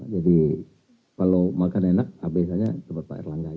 jadi kalau makan enak abisannya cepat pak irlangga